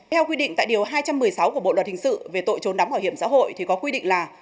theo quy định tại điều hai trăm một mươi sáu của bộ luật hình sự về tội trốn đóng bảo hiểm xã hội thì có quy định là